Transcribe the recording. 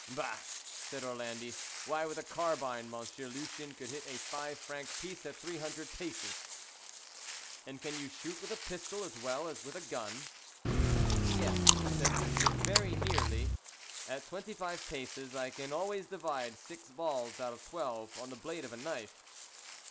"Bah!" said Orlandi; "why, with a carbine, Monsieur Lucien could hit a five franc piece at three hundred paces." "And can you shoot with a pistol as well as with a gun?" "Yes," said Lucien, "very nearly. At twenty five paces I can always divide six balls out of twelve on the blade of a knife."